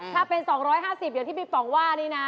ถ้าเป็น๒๕๐บาทเดี๋ยวที่พี่ฝังว่านี่นะ